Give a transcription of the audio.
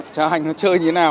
trò hành nó chơi như thế nào